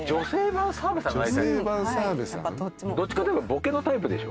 どっちかっていえばボケのタイプでしょ？